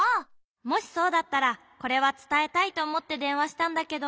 もしそうだったらこれはつたえたいとおもってでんわしたんだけど。